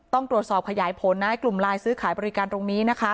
ต้องตรวจสอบขยายผลนะกลุ่มไลน์ซื้อขายบริการตรงนี้นะคะ